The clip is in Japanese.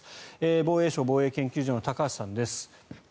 防衛省防衛研究所の高橋さんです。